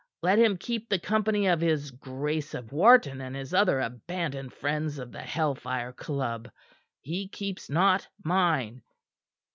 Let him keep the company of his Grace of Wharton and his other abandoned friends of the Hell Fire Club; he keeps not mine.